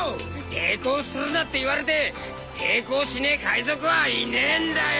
抵抗するなって言われて抵抗しねえ海賊はいねえんだよ！